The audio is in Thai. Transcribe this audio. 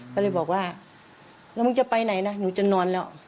ก็เลยบอกว่าแล้วมึงจะไปไหนนะหนูจะนอนแล้ว